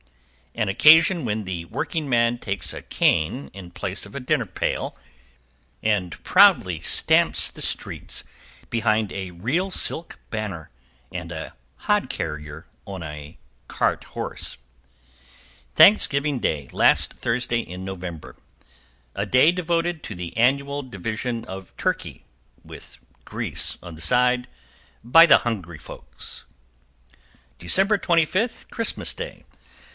An occasion when the workingman takes a cane in place of a dinner pail and proudly tramps the streets behind a real silk banner and a Hod Carrier on a Cart Horse. =THANKSGIVING DAY (Last Thursday in November).= A day devoted to the annual division of Turkey with Greece on the side by the Hung'ry folks. =DECEMBER 25, Christmas Day.